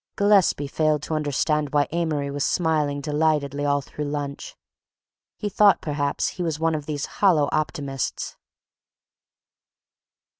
Gillespie failed to understand why Amory was smiling delightedly all through lunch. He thought perhaps he was one of these hollow optimists.